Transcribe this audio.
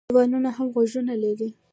ـ دېوالونو هم غوږونه لري.